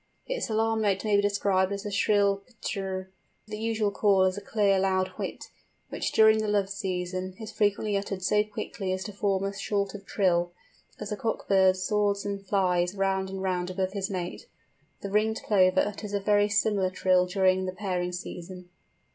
Its alarm note may be described as a shrill ptirr, but the usual call is a clear loud whit, which, during the love season, is frequently uttered so quickly as to form a sort of trill, as the cock bird soars and flies round and round above his mate. The Ringed Plover utters a very similar trill during the pairing season.